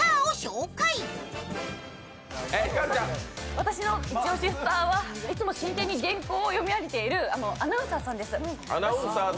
私のイチオシのスターはいつも真剣に原稿を読み上げているアナウンサーさんです。